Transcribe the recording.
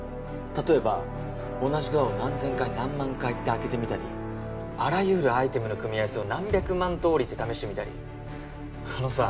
例えば同じドアを何千回何万回って開けてみたりあらゆるアイテムの組み合わせを何百万通りって試してみたりあのさ